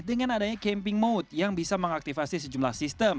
dengan adanya camping mode yang bisa mengaktifasi sejumlah sistem